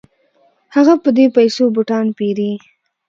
هغه په دې پیسو بوټان پيري.